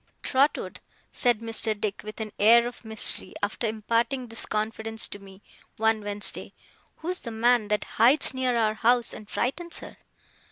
'Trotwood,' said Mr. Dick, with an air of mystery, after imparting this confidence to me, one Wednesday; 'who's the man that hides near our house and frightens her?